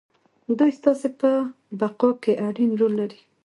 دوی ستاسې په بقا کې اړين رول لري.